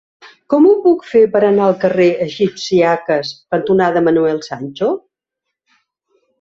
Com ho puc fer per anar al carrer Egipcíaques cantonada Manuel Sancho?